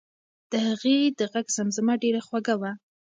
د هغې د غږ زمزمه ډېره خوږه وه.